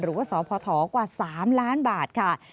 หรือว่าสพกว่า๓ล้านบาทค่ะ